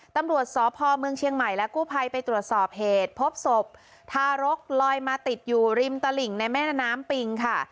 ตำรวจสพเมืองเชียงใหม่และกู้ภัยไปตรวจสอบเหตุพบศพทารกลอยมาติดอยู่ริมตลิ่งในแม่น้ำปิงค่ะ